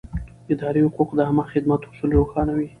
اداري حقوق د عامه خدمت اصول روښانوي.